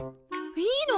いいの？